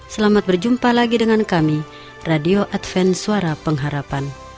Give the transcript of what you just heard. selamat berjumpa lagi dengan kami radio adven suara pengharapan